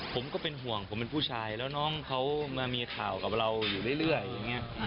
ผมก็เป็นห่วงผมเป็นผู้ชายแล้วน้องเขามามีข่าวกับเราอยู่เรื่อยอย่างนี้